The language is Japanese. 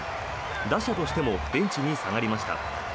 打者としてもベンチに下がりました。